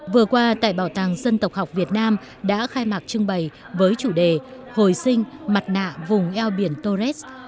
vừa qua tại bảo tàng dân tộc học việt nam đã khai mạc trưng bày với chủ đề hồi sinh mặt nạ vùng eo biển torres